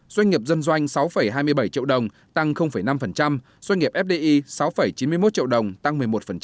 doanh nghiệp dân doanh sáu hai mươi bảy triệu đồng tăng năm doanh nghiệp fdi sáu chín mươi một triệu đồng tăng một mươi một